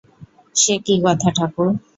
সে কী কথা ঠাকুর!